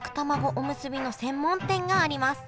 おむすびの専門店があります